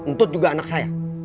untut juga anak saya